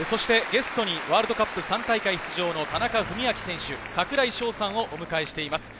ゲストにワールドカップ３大会出場の田中史朗選手、櫻井翔さんをお迎えしています。